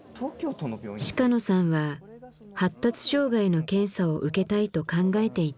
鹿野さんは発達障害の検査を受けたいと考えていた。